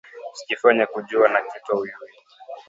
Usijifanye kujuwa na kitu auyuwi